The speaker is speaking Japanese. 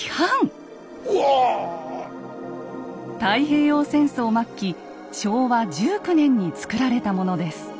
太平洋戦争末期昭和１９年に作られたものです。